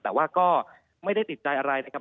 แต่ว่าก็ไม่ได้ติดใจอะไรนะครับ